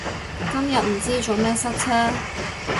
今日唔知做咩塞車